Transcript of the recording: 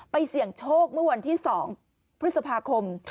เสี่ยงโชคเมื่อวันที่๒พฤษภาคม